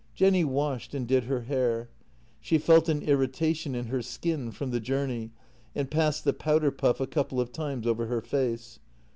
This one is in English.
Jenny washed and did her hair; she felt an irritation in her skin from the journey, and passed the powder puff a couple of times over her face.